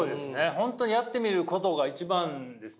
本当にやってみることが一番ですもんね。